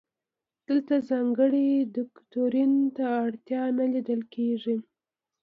دلته ځانګړي دوکتورین ته اړتیا نه لیدل کیږي.